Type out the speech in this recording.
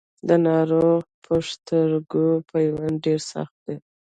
د ناروغ پښتورګي پیوند ډېر سخت دی.